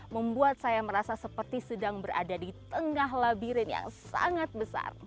membuat saya merasa seperti sedang berada di tengah labirin yang sangat besar